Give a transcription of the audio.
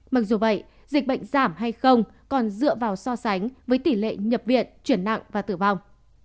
mặc dù vậy dịch bệnh giảm hay không còn dựa vào so sánh với tỷ lệ nhập viện chuyển nặng và tử vong